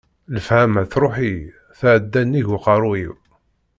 Lefhama truḥ-iyi, tɛedda nnig uqerru-w.